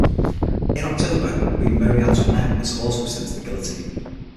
In October, Queen Marie Antoinette was also sent to the guillotine.